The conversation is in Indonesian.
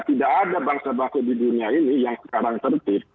tidak ada bangsa bangsa di dunia ini yang sekarang tertib